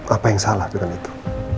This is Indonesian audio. apa yang salah dengan itu